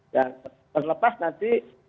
dan terlepas nanti